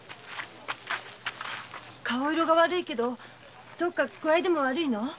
顔色が悪いけどどっか具合でも悪いの？